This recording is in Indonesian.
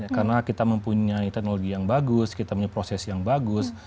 karena kita mempunyai teknologi yang bagus kita mempunyai proses yang bagus